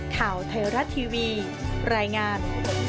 ข่าวไทยรัฐทีวีรายงาน